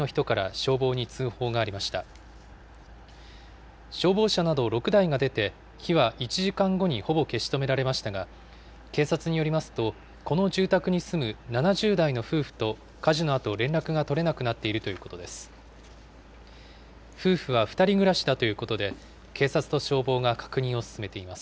消防車など６台が出て、火は１時間後にほぼ消し止められましたが、警察によりますと、この住宅に住む７０代の夫婦と火事のあと連絡が取れなくなっているということです。